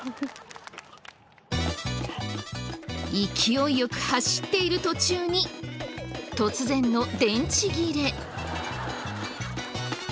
勢いよく走っている途中に突然の電池切れ。